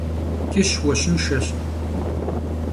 Ç'ış vueşınşşeş.